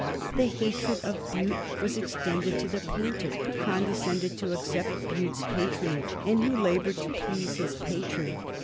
The hatred of Bute was extended to the painter who condescended to accept Bute's patronage, and who labored to please his patron.